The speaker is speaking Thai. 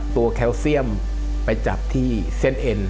แคลเซียมไปจับที่เส้นเอ็น